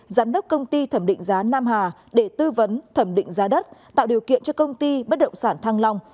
giám đốc công ty thẩm định giá nam hà để tư vấn thẩm định giá đất tạo điều kiện cho công ty bất động sản thăng long